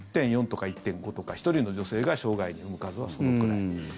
１．４とか１．５とか１人の女性が生涯に産む数はそのくらい。